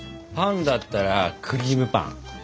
パンだったらクリームパン。